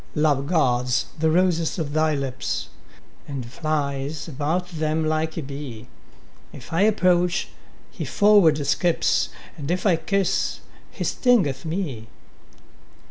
Love guards the roses of thy lips, And flies about them like a bee: If I approach, he forward skips, And if I kiss, he stingeth me.